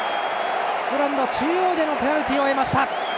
グラウンド中央でペナルティーを得ました。